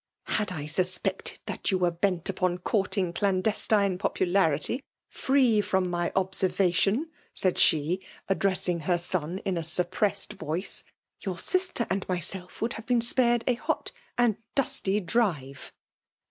*' Had I suspected that you were bent upon conrling clandestine popularity, free from mj '<d>aervatjioi^" said she, addressing her eon in mi suppressed voice, " your sister and myself would have been spared a hot and dusty iobife.